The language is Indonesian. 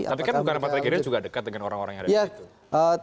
tapi bukan apa apa akhirnya juga dekat dengan orang orang yang ada di situ